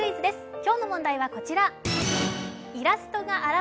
今日の問題はこちら。